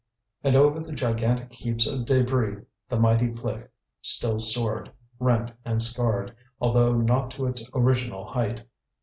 And over the gigantic heaps of débris, the mighty cliff still soared, rent and scarred, although not to its original height.